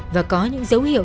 và có những dấu hiệu